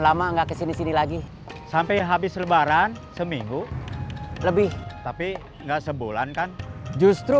lama enggak kesini sini lagi sampai habis lebaran seminggu lebih tapi enggak sebulan kan justru